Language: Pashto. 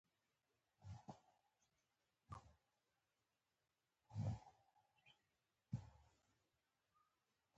غوټۍ پر خپلې مور ورپريوته.